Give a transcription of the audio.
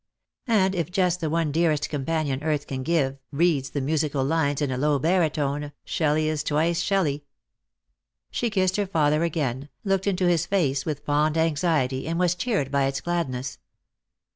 And if just the one dearest companion earth can give reads the musical lines in a low baritone, Shelley is twice Shelley. She kissed her father again, looked into his face with fond anxiety, and was cheered by its gladness.